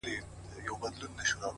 د خپل ژوند په يوه خړه آئينه کي ـ